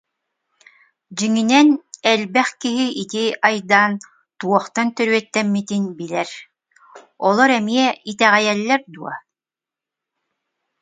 Дьиҥинэн, элбэх киһи ити айдаан туохтан төрүөттэммитин билэр, олор эмиэ итэҕэйэллэр дуо